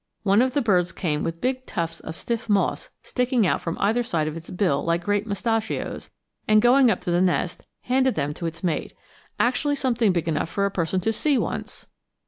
One of the birds came with big tufts of stiff moss sticking out from either side of its bill like great mustachios, and going up to the nest, handed them to its mate actually something big enough for a person to see, once!